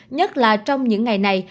nhất là trong những ngày này